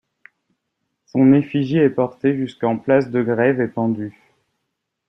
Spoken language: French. Son effigie est portée jusqu’en place de Grève et pendue.